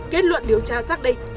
kết luận điều tra xác định